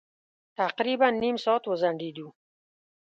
تقريباً نيم ساعت وځنډېدو.